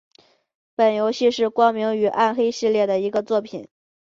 本游戏是光明与黑暗系列的一个作品。